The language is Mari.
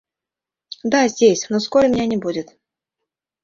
Да, здесь... но скоро меня не будет.